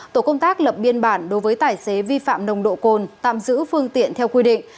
tổ công tác lập biên bản đối với tài xế vi phạm nồng độ cồn tạm giữ phương tiện theo quy định